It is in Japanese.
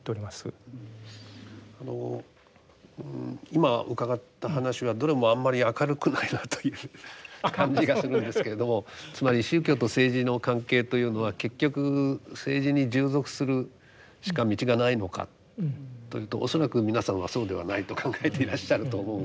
あの今伺った話はどれもあんまり明るくないなという感じがするんですけれどもつまり宗教と政治の関係というのは結局政治に従属するしか道がないのかというと恐らく皆さんはそうではないと考えていらっしゃると思うので。